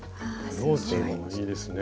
ブローチもいいですね。